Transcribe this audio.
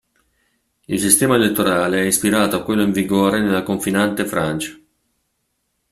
Il sistema elettorale è ispirato a quello in vigore nella confinante Francia.